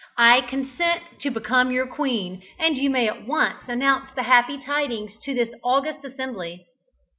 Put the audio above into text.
I consent to become your queen, and you may at once announce the happy tidings to this august assembly."